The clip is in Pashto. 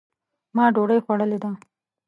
ما ډوډۍ خوړلې ده